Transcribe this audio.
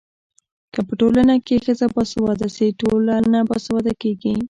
که په ټولنه کي ښځه باسواده سي ټولنه باسواده کيږي.